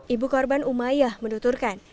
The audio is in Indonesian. ibu korban umayah menuturkan